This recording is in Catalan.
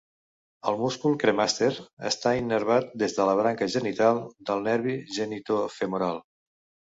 El múscul cremàster està innervat des de la branca genital del nervi genitofemoral.